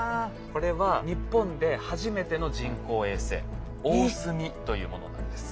これは日本で初めての人工衛星「おおすみ」というものなんです。